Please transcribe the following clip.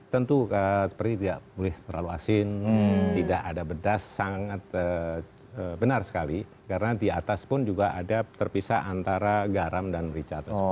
tentu seperti tidak boleh terlalu asin tidak ada pedas sangat benar sekali karena di atas pun juga ada terpisah antara garam dan richard